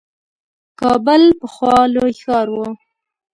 کابل پخوا لوی ښار وو.